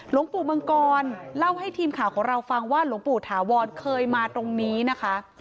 หลวงปู่มังกรเล่าให้ทีมข่าวของเราฟังว่าหลวงปู่ถาวรเคยมาตรงนี้นะคะ